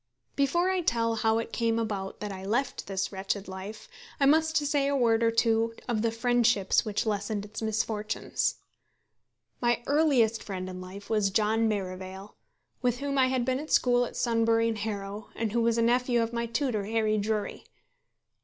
Before I tell how it came about that I left this wretched life, I must say a word or two of the friendships which lessened its misfortunes. My earliest friend in life was John Merivale, with whom I had been at school at Sunbury and Harrow, and who was a nephew of my tutor, Harry Drury.